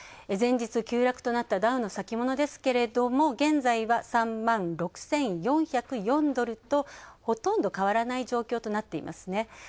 前日急落となったダウの先物ですけども、現在は３万６４０４ドルとほとんど変わらない状況となっていますね。